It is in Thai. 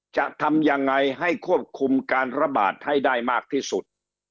จะทำยังไงให้ควบคุมการระบาดให้ได้มากที่สุด